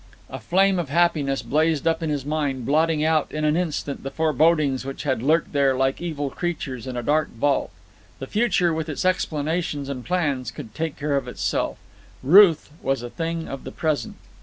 A flame of happiness blazed up in his mind, blotting out in an instant the forebodings which had lurked there like evil creatures in a dark vault. The future, with its explanations and plans, could take care of itself. Ruth was a thing of the present.